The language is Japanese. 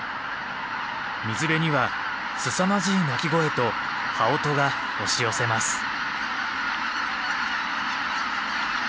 水辺にはすさまじい鳴き声と羽音が押し寄せます。